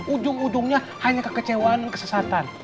ujung ujungnya hanya kekecewaan dan kesesatan